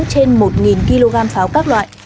trên một kg pháo các loại